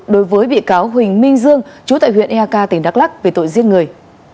đối với bị cáo huỳnh minh dương chú tại huyện eak tỉnh đắk lắc về tội giết người